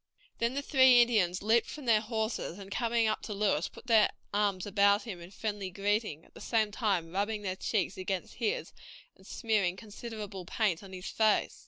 Then the three Indians leaped from their horses, and coming up to Lewis, put their arms about him in friendly greeting, at the same time rubbing their cheeks against his and smearing considerable paint on his face.